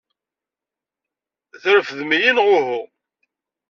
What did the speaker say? Trefdem-iyi neɣ uhu?